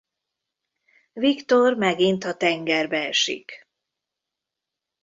Victor megint a tengerbe esik.